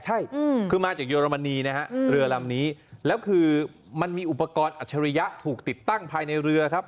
ใช่คือมาจากเยอรมนีนะฮะเรือลำนี้แล้วคือมันมีอุปกรณ์อัจฉริยะถูกติดตั้งภายในเรือครับ